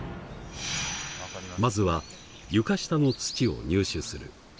まずは床下の土を入手する。